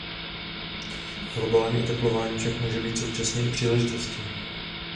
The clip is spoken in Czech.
Globální oteplování však může být současně i příležitostí.